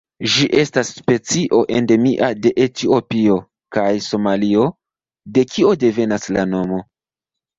Ĝi estas specio endemia de Etiopio kaj Somalio, de kio devenas la nomo.